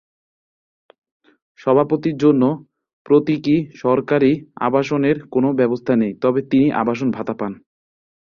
সভাপতির জন্য প্রতীকী সরকারি আবাসনের কোন ব্যবস্থা নেই, তবে তিনি আবাসন ভাতা পান।